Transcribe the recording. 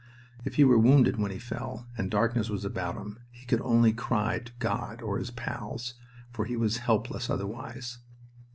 If he were wounded when he fell, and darkness was about him, he could only cry to God or his pals, for he was helpless otherwise.